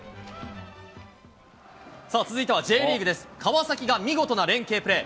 さあ、続いてはＪリーグです、川崎が見事な連係プレー。